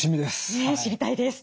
ね知りたいです。